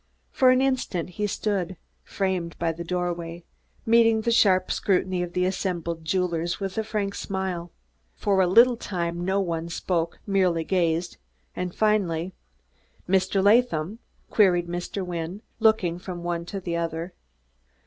For an instant he stood, framed by the doorway, meeting the sharp scrutiny of the assembled jewelers with a frank smile. For a little time no one spoke merely gazed and finally: "Mr. Latham?" queried Mr. Wynne, looking from one to the other. Mr.